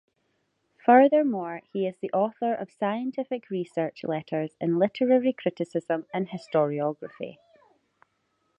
Furthermore, he is the author of scientific-research letters in literary criticism and historiography.